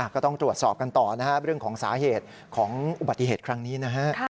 ก็ต้องตรวจสอบกันต่อนะครับเรื่องของสาเหตุของอุบัติเหตุครั้งนี้นะฮะ